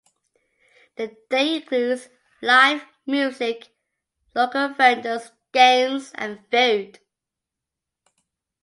The day includes live music, local vendors, games, and food.